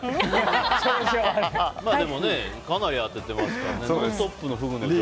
でも、かなり当ててますからね。